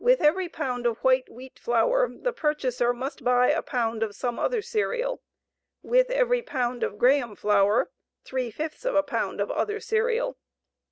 With every pound of white wheat flour, the purchaser must buy a pound of some other cereal; with every pound of Graham flour, three fifths of a pound of other cereal.